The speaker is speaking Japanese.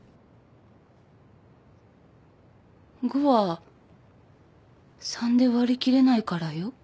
５は３で割り切れないからよ。